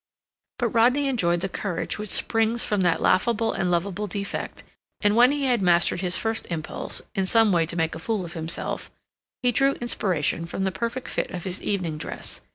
But Rodney enjoyed the courage which springs from that laughable and lovable defect, and when he had mastered his first impulse, in some way to make a fool of himself, he drew inspiration from the perfect fit of his evening dress.